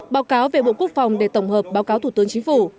báo cáo về bộ quốc phòng để tổng hợp báo cáo thủ tướng chính phủ